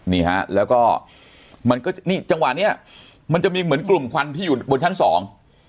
นี่ฮะแล้วก็มันก็นี่จังหวะเนี้ยมันจะมีเหมือนกลุ่มควันที่อยู่บนชั้นสอง